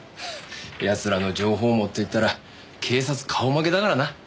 奴らの情報網といったら警察顔負けだからな。